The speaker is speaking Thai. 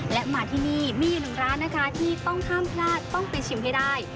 และมาที่นี่มีอยู่หนึ่งร้านนะคะที่ต้องห้ามพลาดต้องไปชิมให้ได้